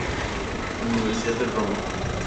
Universidad de Roma".